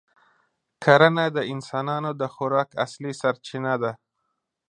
کرنه د انسانانو د خوراک اصلي سرچینه ده.